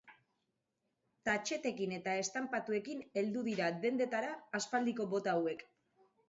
Tatxetekin eta estanptauekin heldu dira dendetara aspaldiko bota hauek.